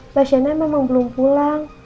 mbak sienna memang belum pulang